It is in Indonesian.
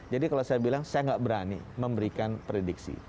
jadi kalau saya bilang saya tidak berani memberikan prediksi